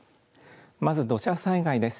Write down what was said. まず土砂災害です。